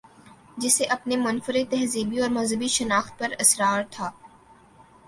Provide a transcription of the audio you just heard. جسے اپنی منفردتہذیبی اورمذہبی شناخت پر اصرار تھا۔